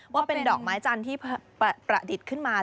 ว่าเป็นดอกไม้จันทร์ที่ประดิษฐ์ขึ้นมา